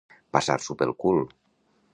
Passar-s'ho pel cul.